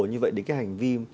như vậy đến cái hành vi